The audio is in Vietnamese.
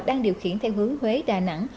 đang điều khiển theo hướng huế đà nẵng